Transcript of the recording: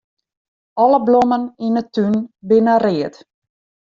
Alle blommen yn 'e tún binne read.